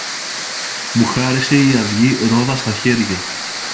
μου χάρισε η αυγή ρόδα στα χέρια.